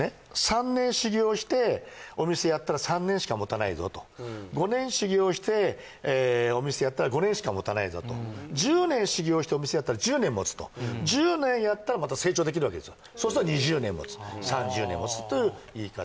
３年修業してお店やったら３年しかもたないぞと５年修業してお店やったら５年しかもたないぞと１０年修業してお店やったら１０年もつとそうすると２０年もつ３０年もつという言い方